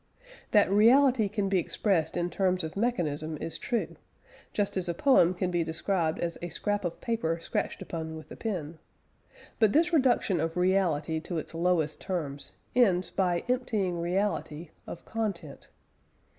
That reality can be expressed in terms of mechanism is true, just as a poem can be described as a scrap of paper scratched upon with a pen; but this reduction of reality to its lowest terms, ends by emptying reality of content.